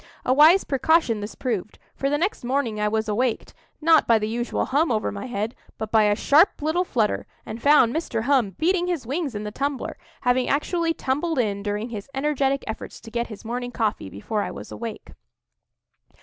A wise precaution this proved; for the next morning I was awaked, not by the usual hum over my head, but by a sharp little flutter, and found Mr. Hum beating his wings in the tumbler—having actually tumbled in during his energetic efforts to get his morning coffee before I was awake.